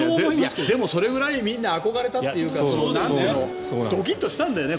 でも、それぐらいみんな憧れたというかドキッとしたんだよね